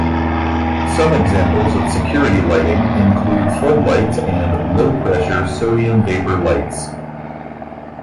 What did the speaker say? Some examples of security lighting include floodlights and low pressure sodium vapour lights.